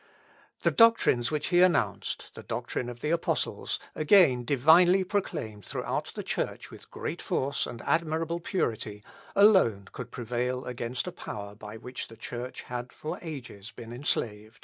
The doctrines which he announced, the doctrine of the Apostles, again divinely proclaimed throughout the Church with great force and admirable purity, alone could prevail against a power by which the Church had for ages been enslaved.